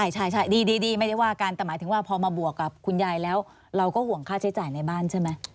ใช่ดีไม่ได้ว่ากันแต่หมายถึงว่าพอมาบวกกับคุณยายแล้วเราก็ห่วงค่าใช้จ่ายในบ้านใช่ไหม